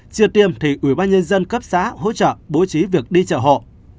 chia tiêm thì ủy ban nhân dân cấp xã hỗ trợ bố trí việc đi chợ họ